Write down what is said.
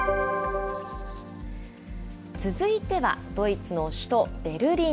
続いては、ドイツの首都ベルリン。